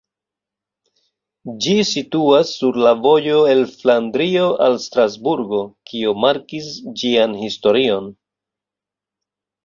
Ĝi situas sur la vojo el Flandrio al Strasburgo, kio markis ĝian historion.